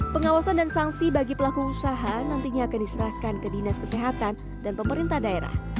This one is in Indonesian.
pengawasan dan sanksi bagi pelaku usaha nantinya akan diserahkan ke dinas kesehatan dan pemerintah daerah